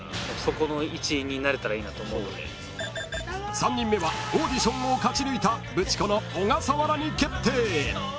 ［３人目はオーディションを勝ち抜いたブチコの小笠原に決定！］